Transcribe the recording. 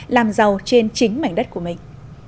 làm giàu trên chính mảnh đất của mình